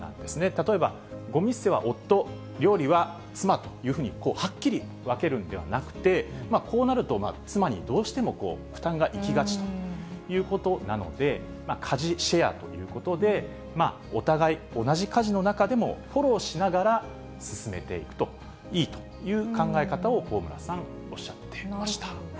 例えばごみ捨ては夫、料理は妻というふうに、はっきり分けるんではなくて、こうなると妻にどうしても負担がいきがちということなので、家事シェアということで、お互い同じ家事の中でも、フォローしながら進めていくといいという考え方を香村さん、なるほど。